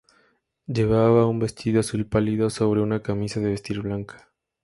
Llevaba un vestido azul pálido sobre una camisa de vestir blanca.